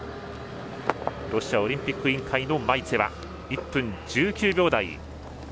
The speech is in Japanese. ロシアオリンピック委員会のマイツェワ１分１９秒台。